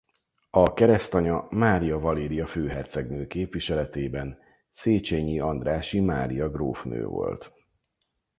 A keresztanya Mária Valéria főhercegnő képviseletében Széchenyi-Andrássy Mária grófnő volt.